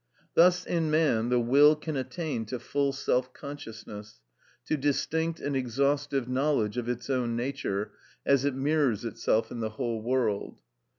Thus in man the will can attain to full self consciousness, to distinct and exhaustive knowledge of its own nature, as it mirrors itself in the whole world.